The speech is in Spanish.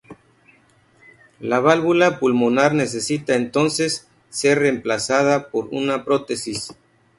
La válvula pulmonar necesita entonces ser reemplazada por una prótesis.